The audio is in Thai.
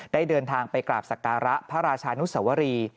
ได้เดินทางไปกราบศักราพระราชานุสวรี